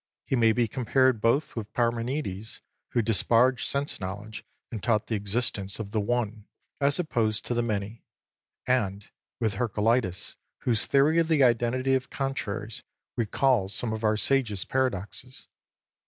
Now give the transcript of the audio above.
He may be compared both with Parmenides, who disparaged sense knowledge and taught the existence of the One as opposed to the Many, and with Heraclitus, whose theory of the identity of contraries recalls some of our Sage's paradoxes.